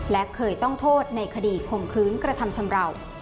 และเคยต้องโทษในคดีข่มขืนกระทำชำราว